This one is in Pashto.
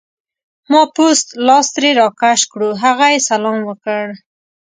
ما پوست لاس ترې راکش کړو، هغه یې سلام وکړ.